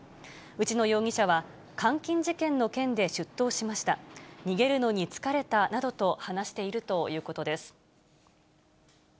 内野容疑者は、監禁事件の件で出頭しました、逃げるのに疲れたなどと話しているということです。